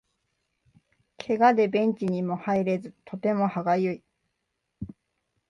ケガでベンチにも入れずとても歯がゆい